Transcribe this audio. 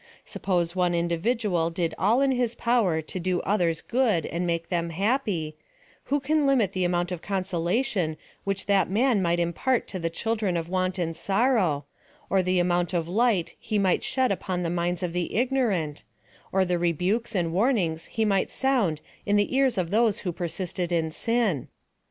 Suppose one individual did all in his power to do others good and make them happy, who can limit the amount of consolation which that man might impart to the children of want and sorrow ; or the amount of light he might shed upon the minds of the ignorant ; or the rebukes and warnings he might sound in the ears of those who persisted in sin